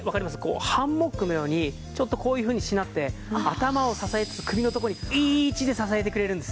ハンモックのようにちょっとこういうふうにしなって頭を支えつつ首のところにいい位置で支えてくれるんです。